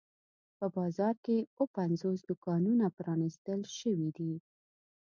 په بازار کې اووه پنځوس دوکانونه پرانیستل شوي دي.